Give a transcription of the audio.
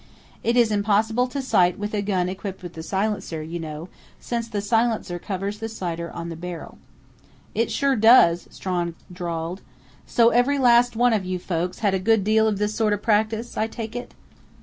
It is impossible to sight with a gun equipped with a silencer, you know, since the silencer covers the sighter on the barrel." "It sure does," Strawn drawled. "So every last one of you folks had a good deal of this sort of practice, I take it?"